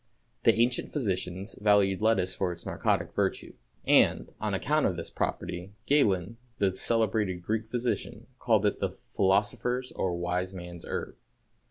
The ancient physicians valued lettuce for its narcotic virtue, and, on account of this property, Galen, the celebrated Greek physician, called it "the philosopher's or wise man's herb."